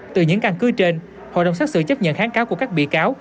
từ những căn cứ trên hội đồng xác xử chấp nhận kháng cáo của các bị cáo